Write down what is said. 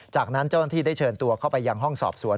จากนั้นเจ้าหน้าที่ได้เชิญตัวเข้าไปยังห้องสอบสวน